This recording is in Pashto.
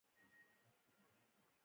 د ملک په زور او ملاتړ ولسوالۍ ته روان یو.